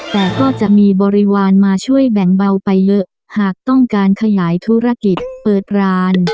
แต่ก็จะมีบริวารมาช่วยแบ่งเบาไปเยอะหากต้องการขยายธุรกิจเปิดร้าน